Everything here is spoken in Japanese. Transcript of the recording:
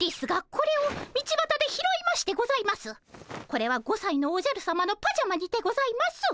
これは５さいのおじゃるさまのパジャマにてございます。